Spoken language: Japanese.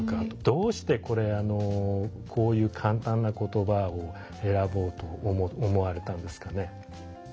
どうしてこれこういうかんたんな言葉をえらぼうと思われたんですかね？